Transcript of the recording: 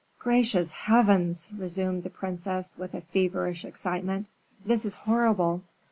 "Gracious heavens!" resumed the princess, with a feverish excitement, "this is horrible!